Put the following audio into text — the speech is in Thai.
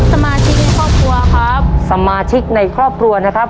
สมาชิกในครอบครัวครับสมาชิกในครอบครัวนะครับ